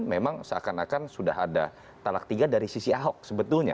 memang seakan akan sudah ada talak tiga dari sisi ahok sebetulnya